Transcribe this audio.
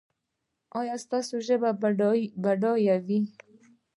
ایا ستاسو ژبه به بډایه وي؟